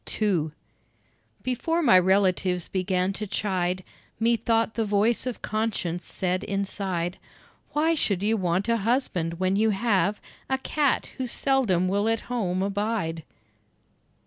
II Before my relatives began to chide, Methought the voice of conscience said inside: "Why should you want a husband, when you have A cat who seldom will at home abide?"